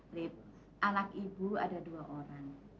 rip anak ibu ada dua orang